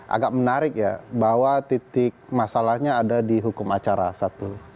agak menarik ya bahwa titik masalahnya ada di hukum acara satu